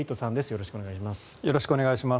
よろしくお願いします。